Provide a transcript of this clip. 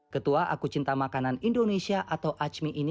ketua aku cinta makanan indonesia atau acmi ini